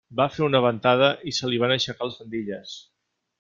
Va fer una ventada i se li van aixecar les faldilles.